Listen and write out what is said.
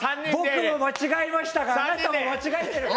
ボクも間違えましたがあなたも間違えてるから。